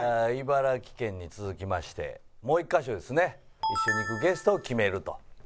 茨城県に続きましてもう１カ所ですね一緒に行くゲストを決めると。